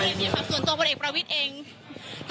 อันนี้จะต้องจับเบอร์เพื่อที่จะแข่งแข่งกันแล้วคุณละครับ